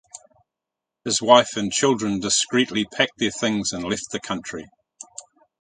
His wife and children discreetly packed their things and left the country.